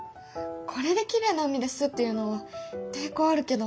これできれいな海ですって言うのは抵抗あるけどな。